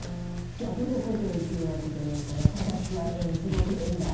逆の事を言ってる訳じゃないから「ただし」は変すごく変だ。